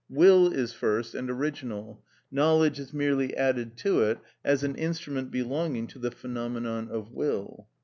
Will is first and original; knowledge is merely added to it as an instrument belonging to the phenomenon of will.